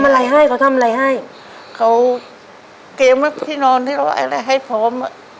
กินไว้ไปนอนที่เรากำลังให้ผม